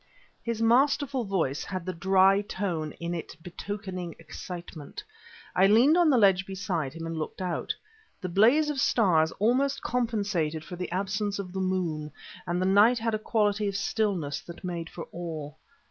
His masterful voice had the dry tone in it betokening excitement. I leaned on the ledge beside him and looked out. The blaze of stars almost compensated for the absence of the moon and the night had a quality of stillness that made for awe.